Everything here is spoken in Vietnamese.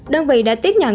đơn vị đã tiếp nhận